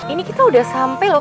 ini kita udah sampai loh